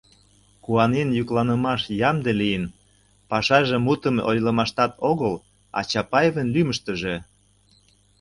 Куанен йӱкланымаш ямде лийын: пашаже мутым ойлымаштат огыл, а Чапаевын лӱмыштыжӧ.